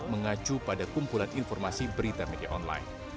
mengacu pada kumpulan informasi berita media online